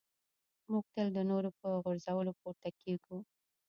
موږ تل د نورو په غورځولو پورته کېږو.